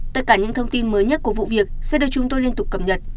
tất cả những thông tin mới nhất của vụ việc sẽ được chúng tôi liên tục cập nhật